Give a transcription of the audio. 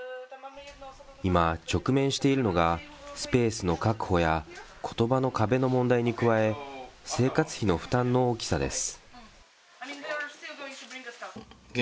今、直面しているのが、スペースの確保や、ことばの壁の問題に加え、生活費の負担の大きさです。